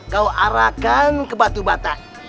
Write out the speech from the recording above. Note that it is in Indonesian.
kau arahkan ke batu bata